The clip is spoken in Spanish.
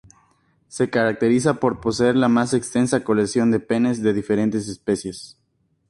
Se caracteriza por poseer la más extensa colección de penes de diferentes especies.